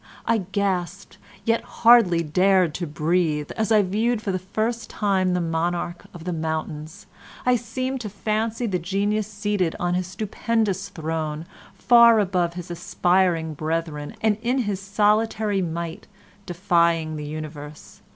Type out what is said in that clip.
I gasped, yet hardly dared to breathe, as I viewed for the first time the monarch of the mountains. I seemed to fancy the genius seated on his stupendous throne far above his aspiring brethren and in his solitary might defying the universe.